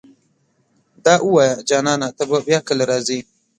دا اووايه جانانه ته به بيا کله راځې